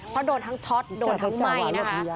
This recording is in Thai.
เพราะโดนทั้งช็อตโดนทั้งไหม้นะคะ